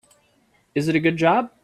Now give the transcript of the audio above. Is it a good job?